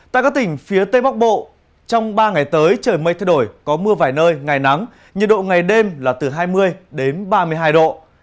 tại các tỉnh phía tây bắc bộ trong ba ngày tới trời mây thay đổi có mưa vài nơi ngày nắng nhiệt độ ngày đêm là từ hai mươi đến ba mươi hai độ